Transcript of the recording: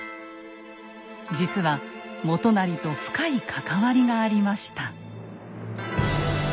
実は元就と深い関わりがありました。